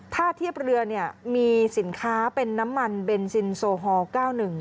ถ้าเทียบเรือเนี่ยมีสินค้าเป็นน้ำมันเบนซินโซฮอล๙๑